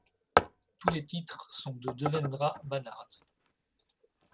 Tous les titres sont de Devendra Banhart.